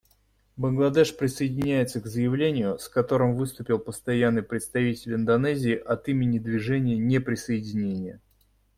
Бангладеш присоединяется к заявлению, с которым выступил Постоянный представитель Индонезии от имени Движения неприсоединения.